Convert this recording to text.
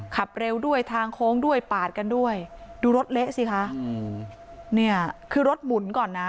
ขับเร็วด้วยทางโค้งด้วยปาดกันด้วยดูรถเละสิคะอืมเนี่ยคือรถหมุนก่อนนะ